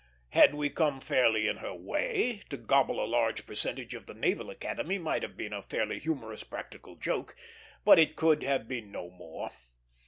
Had we come fairly in her way, to gobble a large percentage of the Naval Academy might have been a fairly humorous practical joke; but it could have been no more.